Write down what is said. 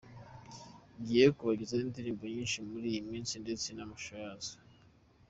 Ngiye kubagezaho indirimbo nyinshi muri iyi minsi ndetse n’amashusho yazo.